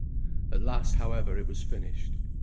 At last, however, it was finished.